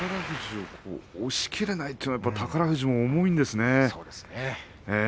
富士を押しきれないというのは宝富士、重いんですね。